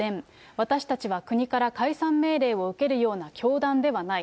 私たちは国から解散命令を受けるような教団ではない。